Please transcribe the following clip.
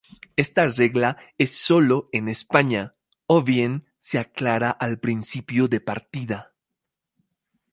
Esta regla es solo en España o bien se aclara al principio de partida.